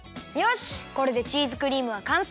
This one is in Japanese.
これでチーズクリームはかんせい！